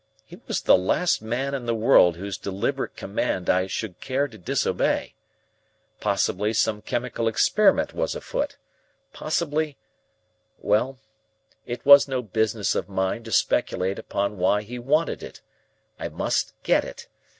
He was the last man in the world whose deliberate command I should care to disobey. Possibly some chemical experiment was afoot; possibly Well, it was no business of mine to speculate upon why he wanted it. I must get it.